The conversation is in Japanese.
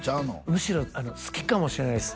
むしろ好きかもしれないです